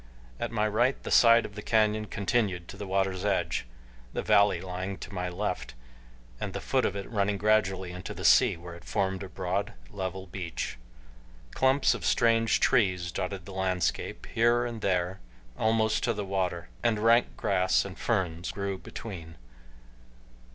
At my right the side of the canyon continued to the water's edge, the valley lying to my left, and the foot of it running gradually into the sea, where it formed a broad level beach. Clumps of strange trees dotted the landscape here and there almost to the water, and rank grass and ferns grew between.